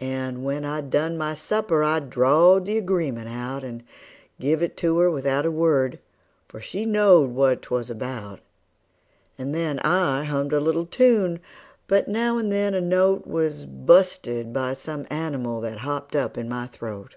And when I'd done my supper I drawed the agreement out, And give it to her without a word, for she knowed what 'twas about; And then I hummed a little tune, but now and then a note Was bu'sted by some animal that hopped up in my throat.